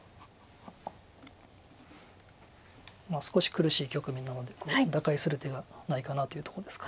少し苦しい局面なのでこれ打開する手がないかなというとこですか。